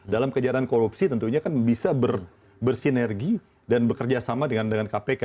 dalam kejahatan korupsi tentunya kan bisa bersinergi dan bekerja sama dengan kpk